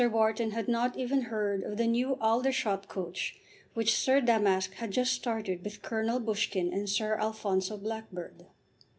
Wharton had not even heard of the new Aldershot coach which Sir Damask had just started with Colonel Buskin and Sir Alfonso Blackbird.